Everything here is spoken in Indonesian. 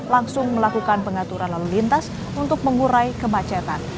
langsung melakukan pengaturan lalu lintas untuk mengurai kemacetan